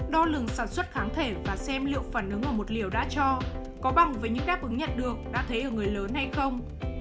đo lường sản xuất kháng thể và xem liệu phản ứng ở một liều đã cho có bằng với những đáp ứng nhận được đã thấy ở người lớn hay không